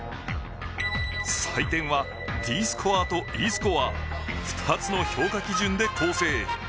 採点は、ＤスコアとＥスコア、２つの評価基準で構成。